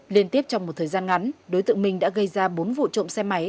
liên tiếp trong một thời gian ngắn đối tượng minh đã gây ra bốn vụ trộm xe máy